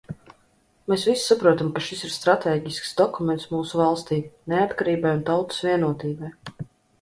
Mēs visi saprotam, ka šis ir stratēģisks dokuments mūsu valstij, neatkarībai un tautas vienotībai.